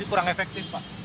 jadi kurang efektif pak